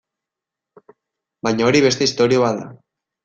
Baina hori beste historia bat da.